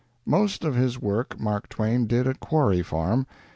Most of his work Mark Twain did at Quarry Farm.